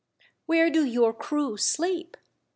" Where do your crew sleep